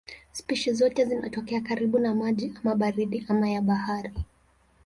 Spishi zote zinatokea karibu na maji ama baridi ama ya bahari.